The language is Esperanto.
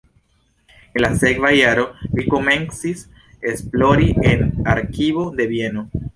En la sekva jaro li komencis esplori en arkivo de Vieno.